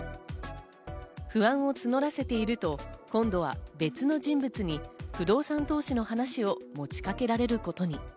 不安を募らせていると、今度は別の人物に不動産投資の話を持ちかけられることに。